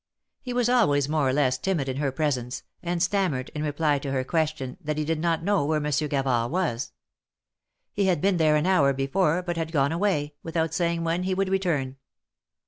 He was always more or less timid in her presence, and stammered, in reply to her question, that he did not know where Monsieur Gavard was. He had been there an hour before, but had gone away, without saying when he would return.